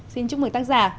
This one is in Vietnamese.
xin chúc mừng tác giả